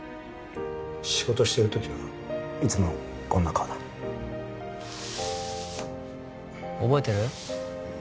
仕事してる時はいつもこんな顔だ覚えてる？